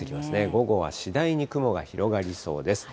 午後は次第に雲が広がりそうです。